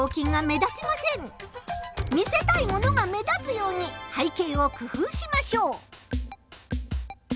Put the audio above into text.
見せたいものが目立つように背景を工夫しましょう。